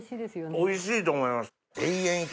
おいしいと思います。